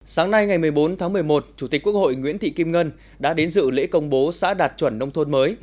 sáng nay ngày một mươi bốn tháng một mươi một chủ tịch quốc hội nguyễn thị kim ngân đã đến dự lễ công bố xã đạt chuẩn nông thôn mới